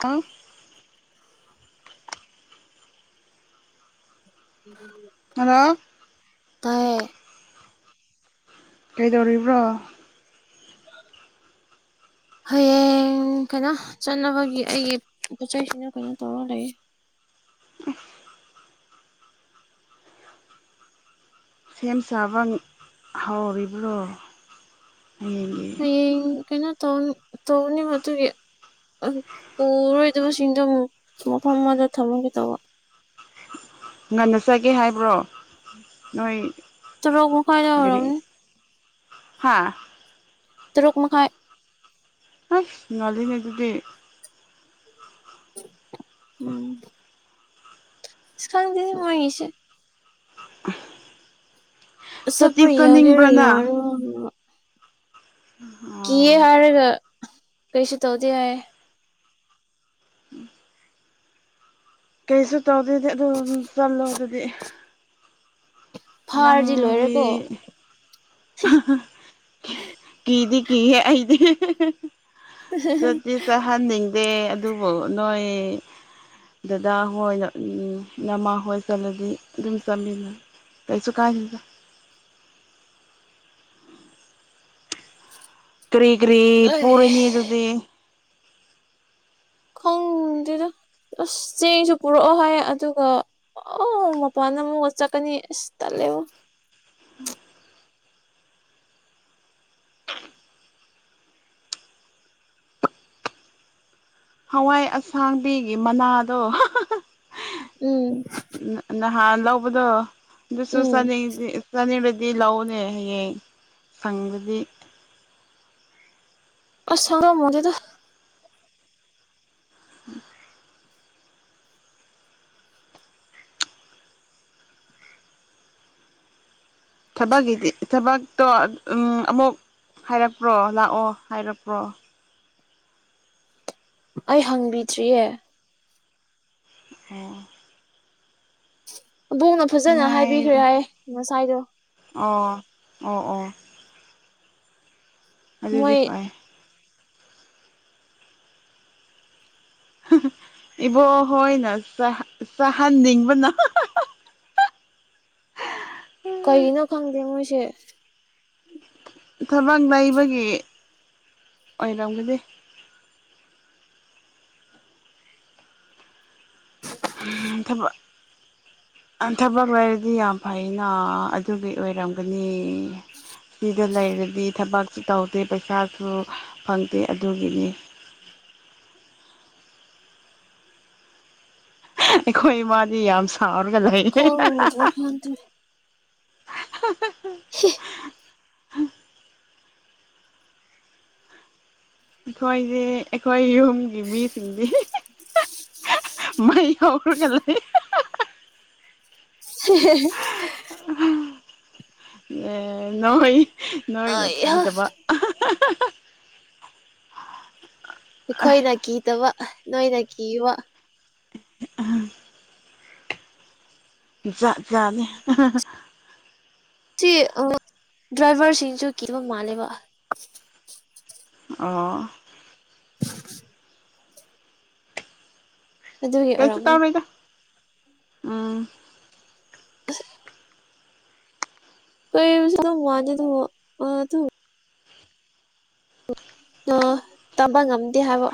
ꯀꯥ hello ꯇꯥꯌꯦ ꯀꯩꯗꯧꯔꯤꯕ꯭ꯔꯣ ꯍꯌꯦꯡ ꯀꯩꯅꯣ ꯆꯠꯅꯕꯒꯤ ꯑꯩꯒꯤ ꯄꯣꯠꯆꯩꯁꯤꯅ ꯀꯩꯅꯣ ꯇꯧꯔꯒ ꯂꯩ [unintelligible] ꯁꯦꯝ ꯁꯥꯕ ꯍꯧꯔꯤꯕ꯭ꯔꯣ ꯍꯌꯦꯡꯒꯤ ꯍꯌꯦꯡ ꯀꯩꯅꯣ ꯇꯧ ꯇꯧꯅꯤ ꯑꯗꯨꯒꯤ ꯄꯨꯔꯣꯏꯗꯕꯁꯤꯡꯗꯣ ꯑꯃꯨꯛ ꯃꯐꯝ ꯑꯃꯗ ꯊꯝꯃꯝꯒꯦ ꯇꯧꯕ ꯉꯟꯅ ꯆꯠꯒꯦ ꯍꯥꯏꯕ꯭ꯔꯣ ꯅꯣꯏ ꯇꯔꯨꯛ ꯃꯈꯥꯏꯗ ꯑꯣꯏꯔꯝꯅꯤ ꯍꯥꯥ ꯇꯔꯨꯛ ꯃꯈꯥꯏ ꯑꯥ ꯉꯜꯂꯤꯅꯦ ꯑꯗꯨꯗꯤ ꯎꯝ ꯑꯂ ꯈꯪꯗꯦ ꯃꯣꯏꯒꯤꯁꯦ ꯆꯠꯇꯤ ꯆꯠꯄ ꯌꯥꯒꯦꯔ ꯆꯠꯅꯤꯡꯕ꯭ꯔ ꯅꯪ ꯌꯥꯔꯥꯏꯔꯥ ꯀꯤꯌꯦ ꯑꯣ ꯍꯥꯏꯔꯒ ꯀꯩꯁꯨ ꯇꯧꯗꯦ ꯍꯥꯏꯌꯦ ꯀꯩꯁꯨ ꯇꯧꯗꯣꯏꯗꯤ ꯑꯗꯨ ꯑꯗꯨꯝ ꯆꯜꯂꯣ ꯑꯗꯨꯗꯤ ꯐꯥꯔꯗꯤ ꯂꯣꯏꯔꯦꯀꯣ [unintelligible] ꯀꯗꯤ ꯀꯤꯌꯦ ꯑꯩꯗꯤ [unintelligible] ꯆꯠꯇꯤ ꯆꯥꯠꯍꯟꯅꯤꯡꯗꯦ ꯑꯗꯨꯕꯨ ꯅꯣꯏ ꯗꯗꯥ ꯍꯣꯏ ꯅꯃꯥ ꯍꯣꯏ ꯆꯠꯂꯗꯤ ꯑꯗꯨꯝ ꯆꯥꯃꯤꯟꯅꯩ ꯀꯩꯁꯨ ꯀꯥꯏꯗꯦꯗ ꯀ꯭ꯔꯤ ꯀ꯭ꯔꯤ ꯑꯩ ꯄꯨꯔꯅꯤ ꯑꯗꯨꯗꯤ ꯈꯪꯗꯦꯗ ꯑꯁ ꯆꯦꯡꯁꯨ ꯄꯨꯔꯛꯑꯣ ꯍꯥꯏꯌꯦ ꯑꯗꯨꯒ ꯑꯣ ꯃꯄꯥꯟꯗ ꯑꯃꯨꯛ ꯆꯠꯀꯅꯤ ꯑꯁ ꯇꯜꯂꯦꯕꯣ ꯍꯋꯥꯏ ꯑꯁꯥꯡꯕꯤꯒꯤ ꯃꯅꯥꯗꯣ ꯎꯝ ꯍꯥ ꯂꯧꯕꯗꯣ ꯑꯗꯨꯁꯨ ꯎꯝ ꯆꯅꯤꯡ ꯆꯅꯤꯡꯔꯗꯤ ꯂꯥꯛꯑꯣꯅꯦ ꯍꯌꯦꯡ ꯁꯪꯉꯗꯤ ꯑꯁ ꯁꯪꯗꯧ ꯃꯟꯗꯦꯗ ꯎꯝ ꯊꯕꯛꯀꯤꯗꯤ ꯊꯕꯛꯇꯣ ꯑꯃꯨꯛ ꯍꯥꯏꯔꯛꯄ꯭ꯔꯣ ꯂꯥꯛꯑꯣ ꯍꯥꯏꯔꯛꯄ꯭ꯔꯣ ꯑꯩ ꯍꯪꯕꯤꯗ꯭ꯔꯤꯌꯦ ꯎꯝ ꯑꯕꯣꯛꯅ ꯐꯖꯅ ꯍꯥꯏꯕꯤꯈ꯭ꯔꯦ ꯉꯥꯏꯔꯦ ꯍꯥꯏ ꯉꯁꯥꯏꯗꯣ ꯑꯣ ꯑꯣ ꯑꯣ ꯑꯗꯨꯗꯤ ꯃꯣꯏ ꯐꯥꯏ [unintelligible] ꯏꯕꯣ ꯍꯣꯏꯅ ꯆꯥꯍꯟꯅꯤꯡꯕꯅ [unintelligible] ꯀꯩ ꯅꯣ ꯈꯪꯗꯦ ꯃꯣꯏꯁꯦ ꯊꯕꯛ ꯂꯩꯕꯒꯤ ꯑꯣꯏꯔꯝꯒꯅꯤ [unintelligible] ꯊꯕꯛ ꯂꯩꯔꯗꯤ ꯌꯥꯝ ꯐꯩꯅ ꯑꯗꯨꯒꯤ ꯑꯣꯏꯔꯝꯒꯅꯤ ꯁꯤꯗ ꯂꯩꯔꯗꯤ ꯊꯕꯛꯁꯨ ꯇꯧꯗꯦ ꯄꯩꯁꯥꯁꯨ ꯐꯪꯗꯦ ꯑꯗꯨꯒꯤꯅꯤ [inaudible] ꯎꯝ [unintelligible] ꯑꯩꯈꯣꯏ ꯏꯃꯥꯗꯤ ꯌꯥꯝ ꯁꯥꯎꯔꯒ ꯂꯩꯌꯦ ꯈꯪꯗ꯭ꯔꯦ ꯈꯪꯗ꯭ꯔꯦ [unintelligible] [unintelligible] ꯍꯤ ꯑꯩꯈꯣꯏꯗꯤ ꯑꯩꯈꯣꯏ ꯌꯨꯝꯒꯤ ꯃꯤꯁꯤꯡꯗꯤ [unintelligible] [inaudible] ꯃꯩ ꯍꯧꯔꯒ ꯂꯩ [unintelligible] ꯍꯦ ꯍꯦ ꯍꯦ ꯅꯣꯏ ꯅꯣꯏꯅ ꯑꯩꯍꯥ ꯀꯤꯗꯕ [unintelligible] [inaudible] ꯑꯩꯈꯣꯏꯅ ꯀꯤꯗꯕ ꯅꯣꯏꯅ ꯀꯤꯕ ꯑꯦ ꯑꯍꯥ ꯖꯥꯠ ꯖꯥꯠꯅꯤ [unintelligible] ꯁꯤ ꯑꯥ ꯗ꯭ꯔꯥꯏꯚꯔꯁꯤꯡꯁꯨ ꯀꯤꯗꯕ ꯃꯥꯜꯂꯦꯕ ꯑꯣ ꯑꯗꯨꯒꯤ ꯀꯩꯁꯨ ꯑꯣꯏꯔꯝꯅꯤ ꯇꯧꯔꯣꯏꯗ ꯎꯝ ꯑꯍꯥ ꯀꯩꯕꯨꯁꯨ ꯑꯗꯨ ꯋꯥꯗꯦꯗ ꯑꯗꯨꯕꯨ ꯑꯗꯨ ꯑꯗꯣ ꯇꯝꯕ ꯉꯝꯗꯦ ꯍꯥꯏꯕ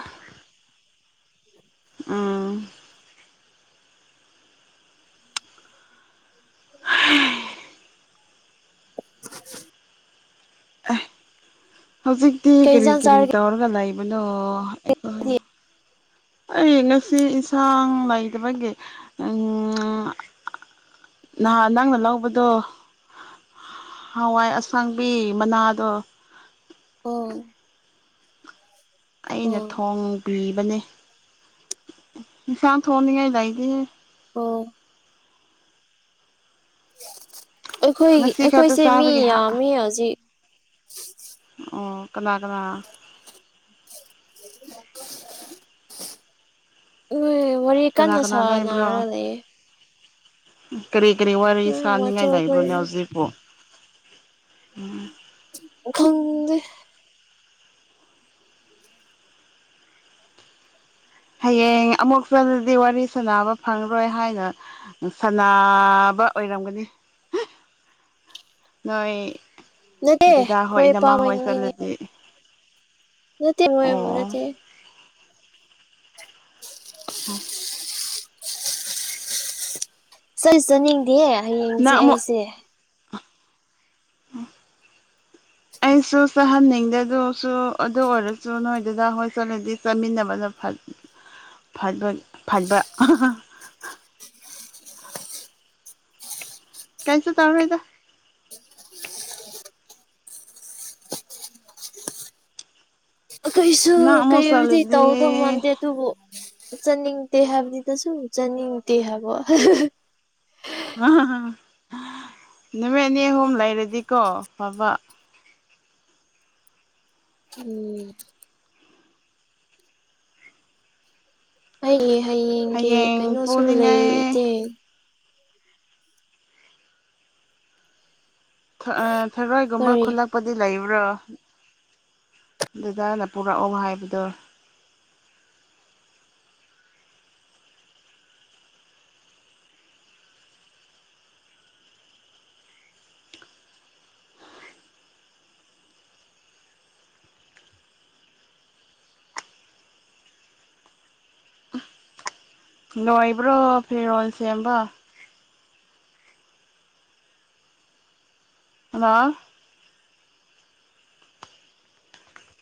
ꯎꯝ [inaudible] [inaudible] ꯍꯧꯖꯤꯛꯇꯤ ꯀꯩ ꯀꯔꯤ ꯏꯟꯖꯥꯡ ꯀꯔꯤ ꯆꯥꯔꯒꯦ ꯇꯧꯔꯒ ꯂꯩꯕꯅꯣ ꯑꯩꯈꯣꯏ ꯅꯣꯏꯗꯤ ꯑꯩ ꯉꯁꯤ ꯏꯟꯁꯥꯡ ꯂꯩꯇꯕꯒꯤ ꯎꯝ ꯉꯥ ꯅꯍꯥꯟ ꯅꯪꯅ ꯂꯧꯕꯗꯣ ꯍꯋꯥꯏ ꯑꯁꯥꯡꯕꯤ ꯃꯅꯥꯗꯣ ꯑꯣ ꯑꯩꯅ ꯑꯣ ꯊꯣꯡꯕꯤꯕꯅꯦ ꯏꯟꯁꯥꯡ ꯊꯣꯡꯅꯤꯡꯉꯥꯏ ꯂꯩꯇꯦꯍꯦ ꯑꯣ ꯑꯩꯈꯣꯏ ꯉꯁꯤ ꯈꯛꯇ ꯑꯩꯈꯣꯏꯁꯦ ꯃꯤ ꯆꯥꯕꯒꯤ ꯌꯥꯝꯃꯤ ꯍꯧꯖꯤꯛ ꯑꯣ ꯀꯅꯥ ꯀꯅꯥ [unintelligible] ꯋꯥꯔꯤ ꯀꯅꯥ ꯀꯟꯅ ꯀꯅꯥ ꯂꯩꯕ꯭ꯔꯣ ꯁꯥꯟꯅꯔ ꯂꯩꯌꯦ ꯀꯔꯤ ꯀꯔꯤ ꯋꯥꯔꯤ ꯍꯣꯏ ꯁꯥꯅꯤꯡꯉꯥꯏ ꯃꯆꯧ ꯂꯩꯕ꯭ꯔꯣꯅꯦ ꯈꯣꯏꯅꯤ ꯍꯧꯖꯤꯛꯄꯨ ꯎꯝ ꯈꯪꯗꯦ ꯍꯌꯦꯡ ꯑꯃꯨꯛ ꯆꯠꯂꯗꯤ ꯋꯥꯔꯤ ꯁꯥꯅꯕ ꯐꯪꯔꯣꯏ ꯍꯥꯏꯅ ꯁꯥꯅꯥ ꯕꯥ ꯑꯣꯏꯔꯝꯒꯅꯤ ꯅꯣꯏ ꯅꯠꯇꯦ ꯗꯗꯥ ꯍꯣꯏ ꯑꯩꯈꯣꯏ ꯏꯅꯝꯃꯥ ꯍꯣꯏ ꯏꯄꯥꯍꯣꯏꯅꯤꯅꯦ ꯆꯠꯂꯗꯤ ꯑꯩꯗꯤ ꯅꯠꯇꯦ ꯃꯣꯏ ꯑꯃꯕꯨ ꯅꯠꯇꯦ ꯆꯠ ꯆꯠꯅꯤꯡꯗꯦ ꯍꯌꯦꯡꯁꯦ ꯅꯪ ꯑꯃꯨꯛ ꯑꯩꯁꯦ [inaudible] ꯑꯩꯁꯨ ꯆꯥꯍꯟꯅꯤꯡꯗꯦ ꯑꯗꯨꯁꯨ ꯑꯗꯨ ꯑꯣꯏꯔꯁꯨ ꯅꯣꯏ ꯗꯥꯗꯥ ꯍꯣꯏ ꯆꯠꯂꯗꯤ ꯆꯥꯃꯤꯟꯅꯕꯅ ꯐꯠ ꯐꯠꯕ ꯐꯠꯕ ꯀꯩꯁꯨ ꯇꯧꯔꯣꯏꯗ ꯀꯩꯁꯨ ꯅꯪ ꯑꯃꯨꯛ ꯀꯩꯗꯤ ꯆꯠꯂꯗꯤ ꯇꯧꯗꯧ ꯃꯥꯟꯗꯦ ꯑꯗꯨꯕꯨ ꯆꯠꯅꯤꯡ ꯇꯦ ꯍꯥꯏꯕꯅꯤꯗ ꯆꯠꯅꯤꯡ ꯇꯦ ꯍꯥꯏꯕ [unintelligible] ꯅꯨꯃꯤꯠ ꯅꯤ ꯑꯍꯨꯝ ꯂꯩꯔꯗꯤꯀꯣ ꯐꯥꯕ ꯎꯝ ꯑꯩꯒꯤ ꯍꯌꯦꯡꯒꯤ ꯍꯌꯦꯡ ꯀꯩꯅꯣꯁꯨ ꯄꯨꯅꯤꯡꯉꯥꯏ ꯂꯩꯇꯦ ꯊꯔꯣꯏꯒꯨꯝꯕ ꯀꯔꯤ ꯈꯨꯜꯂꯛ ꯄꯗꯤ ꯂꯩꯕ ꯄꯨꯔꯛꯑꯣ ꯑꯗꯨꯗꯥꯅ ꯄꯨꯔꯛꯑꯣ ꯍꯥꯏꯕꯗꯣ [inaudible] ꯅꯣꯏꯕ꯭ꯔꯣ ꯐꯤꯔꯣꯜ ꯁꯦꯝꯕ ꯍꯜꯂꯣ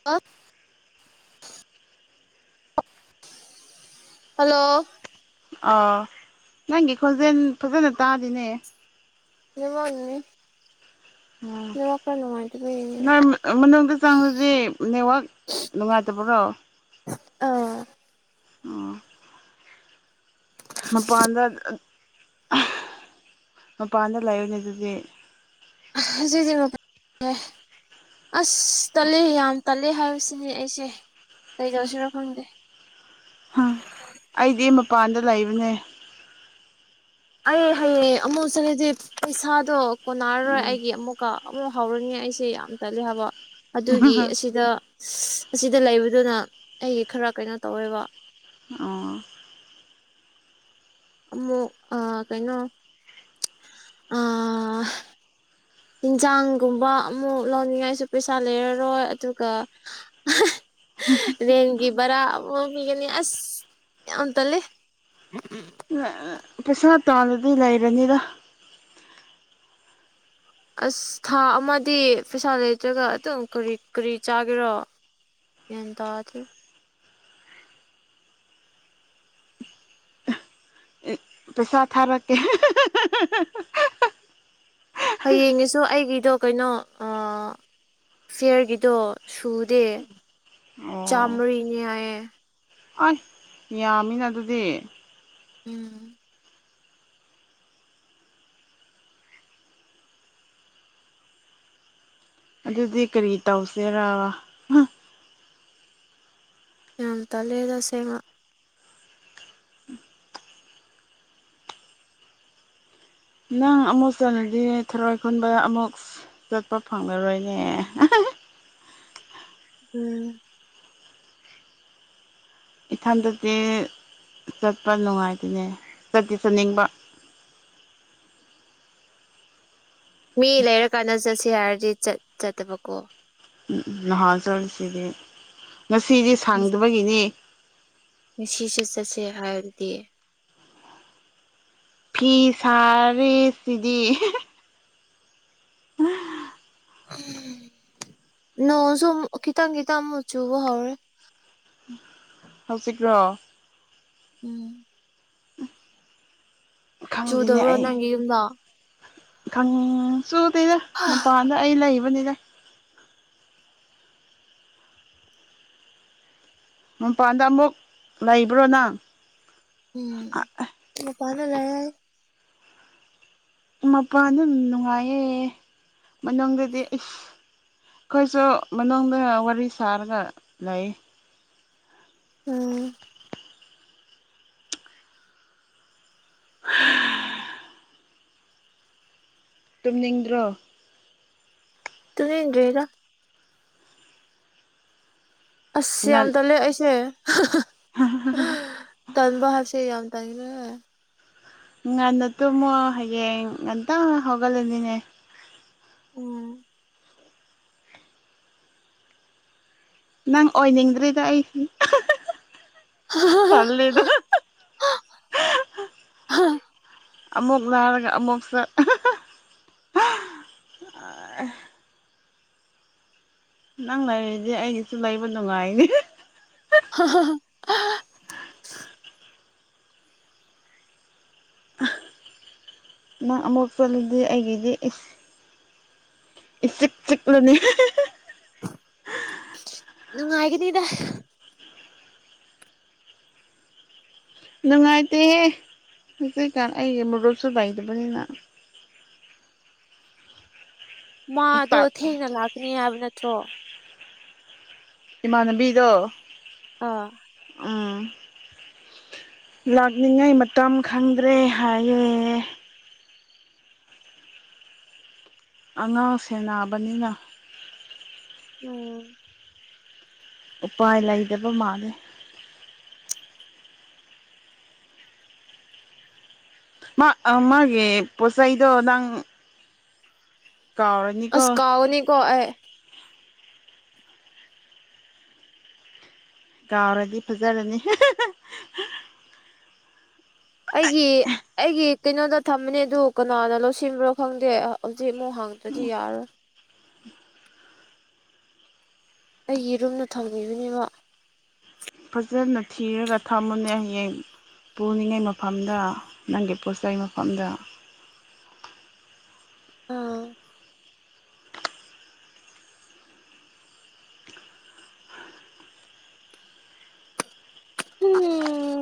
[unintelligible] ꯍꯜꯂꯣ ꯑꯥ ꯅꯪꯒꯤ ꯈꯣꯟꯖꯦꯜ ꯐꯖꯅ ꯇꯥꯗꯤꯅꯦ ꯅꯦꯋꯥꯛꯅꯅꯤ ꯎꯝ ꯅꯦꯋꯥꯛ ꯈꯔ ꯅꯨꯡꯉꯥꯏꯇꯦ ꯅꯣꯏ ꯃꯅꯨꯡꯗ ꯆꯪꯕꯗꯤ ꯅꯦꯠꯋꯥꯛ ꯅꯨꯡꯉꯥꯏꯇꯕ꯭ꯔꯣ ꯑꯣ ꯑꯥ ꯃꯄꯥꯟꯗ ꯃꯄꯥꯟꯗ ꯂꯩꯕꯅꯤ ꯑꯗꯨꯗꯤ ꯍꯧꯖꯤꯛꯁꯦ [unintelligible] ꯑꯁ ꯇꯜꯂꯦ ꯌꯥꯝ ꯇꯜꯂꯦ ꯍꯥꯏꯕꯁꯤꯅꯤ ꯑꯩꯁꯦ ꯀꯩꯗꯧꯁꯤꯔꯣ ꯈꯪꯗꯦ ꯑꯩꯗꯤ ꯃꯄꯥꯟꯗ ꯂꯩꯕꯅꯦ ꯑꯩ ꯍꯌꯦꯡ ꯑꯃꯨꯛ ꯆꯠꯂꯗꯤ ꯄꯩꯁꯥꯗꯣ ꯀꯣꯟꯅꯔꯔꯣꯏ ꯎꯝ ꯑꯩꯒꯤ ꯑꯃꯨꯛꯀ ꯑꯃꯨꯛ ꯍꯧꯔꯅꯤ ꯑꯩꯁꯦ ꯌꯥꯝ ꯇꯜꯂꯦ ꯍꯥꯏꯕ ꯑꯗꯨꯒꯤ ꯑꯁꯤꯗ ꯑꯁꯤꯗ ꯂꯩꯕꯗꯨꯅ ꯑꯩꯒꯤ ꯈꯔ ꯀꯩꯅꯣ ꯇꯧꯋꯦꯕ ꯑꯣ ꯑꯃꯨꯛ ꯑ ꯀꯩꯅꯣ ꯑ ꯏꯤꯟꯖꯥꯡꯒꯨꯝꯕ ꯑꯃꯨꯛ ꯂꯧꯅꯤꯡꯉꯥꯏꯁꯨ ꯄꯩꯁꯥ ꯂꯩꯔꯔꯣꯏ ꯑꯗꯨꯒ ꯔꯦꯟꯒꯤ ꯕꯔꯥ ꯑꯃ ꯄꯤꯒꯅꯤ ꯑꯁ ꯌꯥꯝ ꯇꯜꯂꯦ ꯄꯩꯁꯥ ꯇꯥꯜꯂꯗꯤ ꯂꯩꯔꯅꯤꯗ ꯑꯁ ꯊꯥ ꯑꯃꯗꯤ ꯄꯩꯁꯥ ꯂꯩꯇ꯭ꯔꯒ ꯑꯗꯨꯝ ꯀꯔꯤ ꯀꯔꯤ ꯆꯥꯒꯦꯔꯣ ꯒꯤꯌꯥꯟ ꯇꯗꯦ ꯄꯩꯁꯥ ꯊꯥꯔꯛꯀꯦ [unintelligible] ꯍꯌꯦꯡꯒꯤꯁꯨ ꯑꯩꯒꯤꯗꯣ ꯀꯩꯅꯣ ꯐꯤꯌꯔꯒꯤꯗꯣ ꯁꯨꯗꯦ ꯆꯃꯔꯤꯅꯦ ꯍꯥꯏꯌꯦ ꯑꯁ ꯌꯥꯝꯃꯤꯅ ꯑꯗꯨꯗꯤ ꯎꯝ ꯑꯗꯨꯗꯤ ꯀꯔꯤ ꯇꯧꯁꯤꯔ ꯌꯥꯝ ꯇꯜꯂꯦꯗ ꯑꯁꯦꯡꯕ ꯅꯪ ꯑꯃꯨꯛ ꯆꯠꯂꯗꯤ ꯊꯔꯣꯏ ꯈꯨꯨꯟꯕ ꯑꯃꯨꯛ ꯆꯠꯄ ꯐꯪꯂꯉꯔꯣꯏꯅꯦ ꯎꯝ ꯏꯊꯟꯇꯗꯤ ꯆꯠꯄ ꯅꯨꯡꯉꯥꯏꯇꯅꯦ ꯆꯠꯇꯤ ꯆꯠꯅꯤꯡꯕ [inaudible] ꯃꯤ ꯂꯩꯔꯀꯥꯟꯗ ꯆꯠꯁꯤ ꯍꯥꯏꯔꯗꯤ ꯆꯠꯇꯕꯀꯣ ꯎꯝ ꯅꯍꯥ ꯆꯠꯁꯤꯗꯤ ꯉꯁꯤꯗꯤ ꯁꯪꯗꯕꯒꯤꯅꯤ ꯉꯁꯤꯁꯨ ꯆꯠꯁꯦ ꯍꯥꯏꯔꯗꯤ ꯐꯤ ꯁꯥꯔꯤꯁꯤꯗꯤ ꯅꯣꯡꯁꯨꯨ ꯃꯨꯛ ꯈꯤꯇꯪ ꯈꯤꯇꯪ ꯃꯨꯛ ꯆꯨꯕ ꯍꯧꯔꯦ ꯍꯧꯖꯤꯛꯂꯣ ꯎꯝ ꯈꯪꯗꯦꯅꯦ ꯆꯨꯗꯕ꯭ꯔꯣ ꯑꯩ ꯅꯪꯒꯤ ꯌꯨꯝꯗꯣ ꯈꯪ ꯆꯨꯗꯦꯗ ꯃꯄꯥꯟꯗ ꯑꯩ ꯂꯩꯕꯅꯤꯗ ꯃꯄꯥꯟꯗ ꯑꯃꯨꯛ ꯂꯩꯕ꯭ꯔꯣ ꯅꯪ ꯎꯝ ꯃꯄꯥꯟꯗ ꯂꯩꯌꯦ ꯃꯄꯥꯥꯟ ꯑꯗꯨꯝ ꯅꯨꯡꯉꯥꯏꯌꯦ ꯃꯅꯨꯡꯗꯗꯤ ꯑꯁ ꯑꯩꯈꯣꯏꯁꯨ ꯃꯅꯨꯡꯗ ꯋꯥꯔꯤ ꯁꯥꯔꯒ ꯂꯩꯌꯦ ꯎꯝ ꯇꯨꯝꯅꯤꯡꯗ꯭ꯔꯣ ꯇꯨꯝꯅꯤꯡꯗ꯭ꯔꯤꯗ ꯑꯁ ꯌꯥꯝ ꯉꯟ ꯇꯜꯂꯦ ꯑꯩꯁꯦ ꯇꯟꯕ ꯍꯥꯏꯁꯦ ꯌꯥꯝ ꯇꯜꯂꯦ ꯉꯟꯅ ꯇꯨꯝꯃꯣ ꯍꯌꯦꯡ ꯉꯟꯇꯥ ꯍꯧꯒꯠꯂꯅꯤꯅꯦ ꯎꯝ ꯅꯪ ꯑꯣꯏꯅꯤꯡꯗ꯭ꯔꯦꯗ ꯑꯩꯁꯦ ꯇꯜꯂꯦꯗ ꯑꯃꯨꯛ ꯂꯥꯛꯑꯒ ꯑꯃꯨꯛ ꯆꯠ ꯑꯍ ꯅꯪ ꯂꯩꯔꯤꯗꯤ ꯑꯩꯒꯤꯁꯨ ꯂꯩꯕ ꯅꯨꯡꯉꯥꯏꯅꯦ ꯍꯥ ꯍꯥ ꯍꯥ ꯅꯪ ꯑꯃꯨꯛ ꯆꯠꯂꯗꯤ ꯑꯩꯒꯤꯗꯤ ꯏꯁ ꯏꯁꯤꯛ ꯆꯤꯛꯂꯅꯤ ꯅꯨꯡꯉꯥꯏꯒꯅꯤꯗ ꯅꯨꯡꯉꯥꯏꯇꯦꯍꯦ ꯍꯧꯖꯤꯛꯀꯥꯟ ꯑꯩꯒꯤ ꯃꯔꯨꯞꯁꯨ ꯂꯩꯗꯕꯅꯤꯅ ꯃꯥꯗꯣ ꯄꯥꯛ ꯊꯦꯡꯅ ꯂꯥꯛꯀꯅꯤ ꯍꯥꯏꯕ ꯅꯠꯇ꯭ꯔꯣ ꯏꯃꯥꯟꯅꯕꯤꯗꯣ ꯑꯥ ꯎꯝ ꯂꯥꯛꯅꯤꯡꯉꯥꯏ ꯃꯇꯝ ꯈꯪꯗ꯭ꯔꯦ ꯍꯥꯏꯌꯦ ꯑꯉꯥꯡ ꯁꯦꯟꯅꯕꯅꯤꯅ ꯎꯝ ꯎꯄꯥꯏ ꯂꯩꯇꯕ ꯃꯥꯂꯦ ꯃꯥ ꯑꯥ ꯃꯥꯒꯤ ꯄꯣꯠꯆꯩꯗꯣ ꯅꯪ ꯀꯥꯎꯔꯅꯤꯀꯣ ꯑꯁ ꯀꯥꯎꯒꯅꯤꯀꯣ ꯑꯩ ꯀꯥꯎꯔꯗꯤ ꯐꯖꯔꯅꯤ ꯑꯩꯒꯤ ꯑꯩꯒꯤ ꯀꯩꯅꯣꯗ ꯊꯝꯃꯅꯦ ꯑꯗꯨ ꯀꯅꯥꯅ ꯂꯣꯁꯤꯟꯕ꯭ꯔꯣ ꯈꯪꯗꯦ ꯖꯤꯛ ꯃꯣꯛ ꯍꯪꯒꯗ꯭ꯔꯗꯤ ꯌꯥꯔꯔꯣꯏ ꯑꯩꯒꯤ ꯔꯨꯝꯅ ꯊꯝꯈꯤꯕꯅꯦꯕ ꯐꯖꯅ ꯊꯤꯔꯒ ꯊꯝꯃꯨꯅꯦ ꯍꯌꯦꯡ ꯄꯨꯅꯤꯉꯩ ꯃꯐꯝꯗ ꯅꯪꯒꯤ ꯄꯣꯠꯆꯩ ꯃꯐꯝꯗ ꯑꯥ [unintelligible]